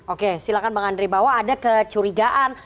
oke silakan bang andre bawa ada kecurigaan